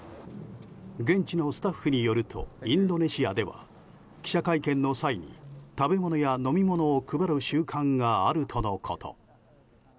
現地のスタッフによるとインドネシアでは記者会見の際に食べ物や飲み物を配る習慣があるとのこと。